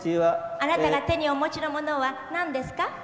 あなたが手にお持ちのものは何ですか？